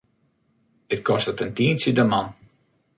It kostet in tientsje de man.